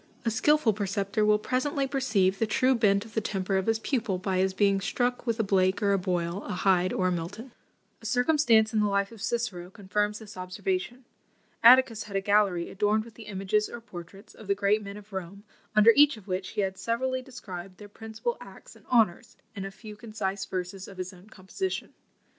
A skilful preceptor will presently perceive the true bent of the temper of his pupil, by his being struck with a Blake or a Boyle, a Hyde or a Milton." A circumstance in the life of Cicero confirms this observation. Atticus had a gallery adorned with the images or portraits of the great men of Rome, under each of which he had severally described their principal acts and honours, in a few concise verses of his own composition.